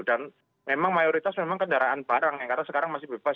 memang mayoritas memang kendaraan barang yang karena sekarang masih bebas